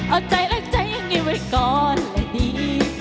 เอาใจรักใจอย่างนี้ไว้ก่อนเลยดี